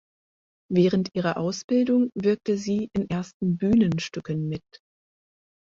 Während ihrer Ausbildung wirkte sie in ersten Bühnenstücken mit.